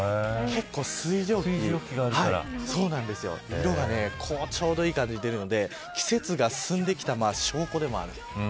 水蒸気があると色がちょうどいい感じに出るので季節が進んできた証拠でもある。